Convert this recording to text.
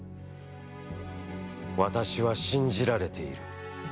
私は、信じられている。